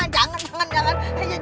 jangan jangan jangan